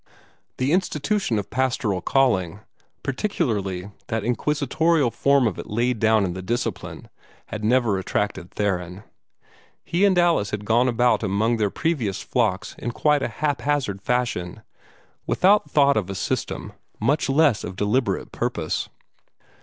The institution of pastoral calling, particularly that inquisitorial form of it laid down in the Discipline, had never attracted Theron. He and Alice had gone about among their previous flocks in quite a haphazard fashion, without thought of system, much less of deliberate purpose.